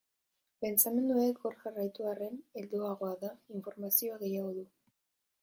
Pentsamenduek hor jarraitu arren, helduagoa da, informazio gehiago du.